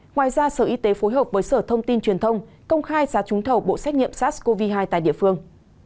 ngoài ra sở y tế phối hợp với sở thông tin truyền thông công khai giá trúng thầu bộ xét nghiệm sars cov hai tại địa phương